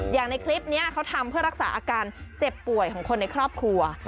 อย่างในคลิปนี้เขาทำเพื่อรักษาอาการเจ็บป่วยของคนในครอบครัว